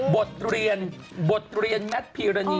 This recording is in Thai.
บทเรียนแมทพิรณี